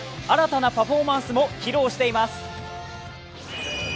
新たなパフォーマンスも披露しています。